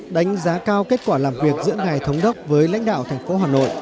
đánh giá cao kết quả làm việc giữa ngài thống đốc với lãnh đạo thành phố hà nội